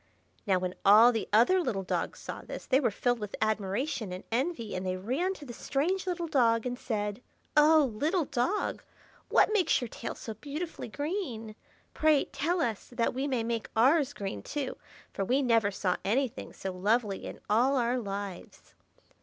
Now, when all the other little dogs saw this, they were filled with admiration and envy, and they ran to the strange little dog and said,— "Oh, little dog! what makes your tail so beautifully green? Pray tell us, that we may make ours green too, for we never saw anything so lovely in all our lives."